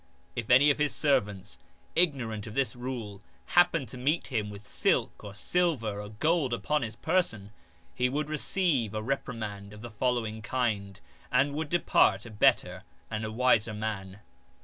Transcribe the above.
If any of his servants, ignorant of this rule, happened to meet him with silk or silver or gold upon his person, he would receive a reprimand of the following kind and would depart a better and a wiser man.